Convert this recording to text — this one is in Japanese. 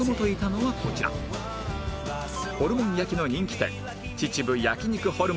ホルモン焼きの人気店